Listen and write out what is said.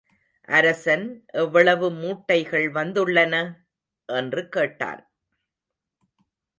அரசன் எவ்வளவு மூட்டைகள் வந்துள்ளன? என்று கேட்டான்.